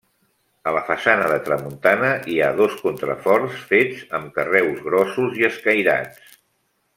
A la façana de tramuntana hi ha dos contraforts, fets amb carreus grossos i escairats.